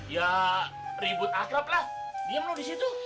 ya ribut akrab lah diam lo disitu